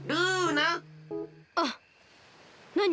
あっなに？